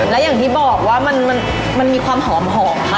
และอย่างที่บอกว่ามันมีความหอมค่ะ